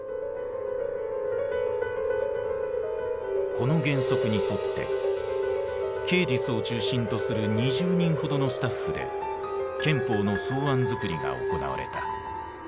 この原則に沿ってケーディスを中心とする２０人ほどのスタッフで憲法の草案づくりが行われた。